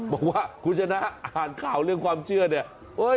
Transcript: บอกว่าคุณชนะอ่านข่าวเรื่องความเชื่อเนี่ย